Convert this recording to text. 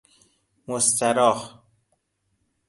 مستراح